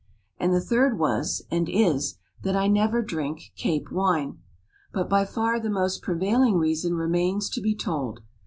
And the third was, and is, that I never drink Cape wine. But by far the most prevailing reason remains to be told.